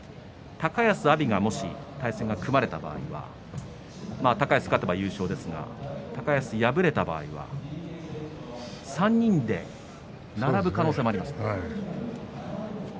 ですから高安、阿炎がもし対戦が組まれた場合は高安は勝てば優勝高安、敗れた場合は３人で並ぶ可能性もあります。